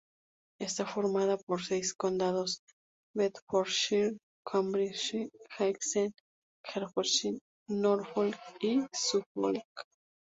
Está formada por seis condados: Bedfordshire, Cambridgeshire, Essex, Hertfordshire, Norfolk y Suffolk.